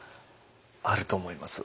あると思います。